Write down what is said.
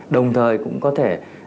đồng thời cũng có thể